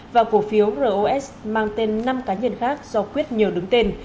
và cổ phiếu ros mang tên năm cá nhân khác do quyết nhờ đứng tên